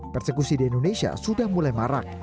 persekusi di indonesia sudah mulai marak